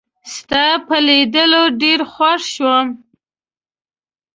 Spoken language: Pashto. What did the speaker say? ستا په لیدو ډېر خوښ شوم